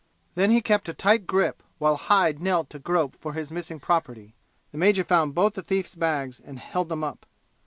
Then he kept a tight grip while Hyde knelt to grope for his missing property. The major found both the thief's bags, and held them up.